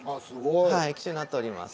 はい機種になっております。